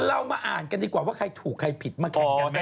เรามาอ่านกันดีกว่าว่าใครถูกใครผิดมาแข่งกัน